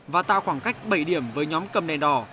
và tạo khoảng cách bảy điểm với nhóm cầm đèn đỏ